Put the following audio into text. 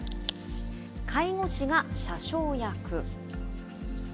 介護士が車掌役。